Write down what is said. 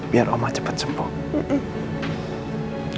biar oma cepet sembuh